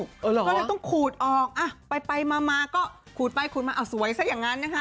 ก็เลยต้องขูดออกไปมาก็ขูดไปขูดมาเอาสวยซะอย่างนั้นนะคะ